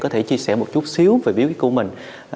có thể chia sẻ một chút xíu về bí quyết của mình